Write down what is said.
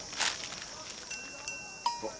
あっ！？